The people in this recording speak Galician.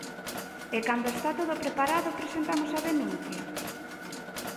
E cando está todo preparado presentamos a denuncia.